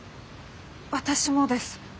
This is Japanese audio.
私もです。